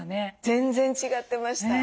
全然違ってました。